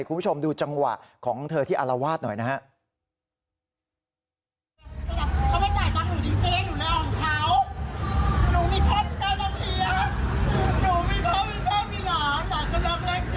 คุณผู้ชมดูจังหวะของเธอที่อารวาสหน่อยนะฮะ